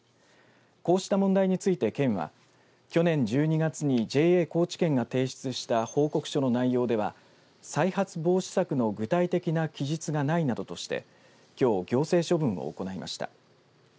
こうした問題について県は去年１２月にＪＡ高知県が提出した報告書の内容では再発防止策の具体的な記述がないなどとして、きょう行政処分を行いました。